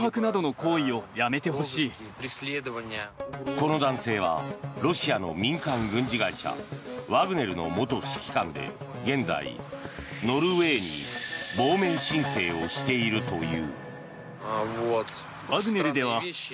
この男性はロシアの民間軍事会社ワグネルの元指揮官で現在、ノルウェーに亡命申請をしているという。